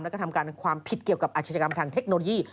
แล้วก็ทำการความผิดเกี่ยวกับอาชญากรรมทางเทคโนโลยี